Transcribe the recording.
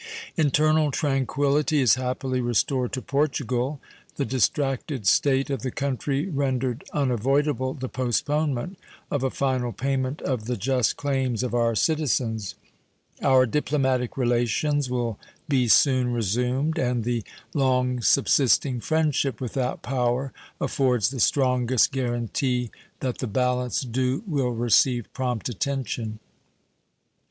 Internal tranquillity is happily restored to Portugal. The distracted state of the country rendered unavoidable the postponement of a final payment of the just claims of our citizens. Our diplomatic relations will be soon resumed, and the long subsisting friendship with that power affords the strongest guaranty that the balance due will receive prompt attention.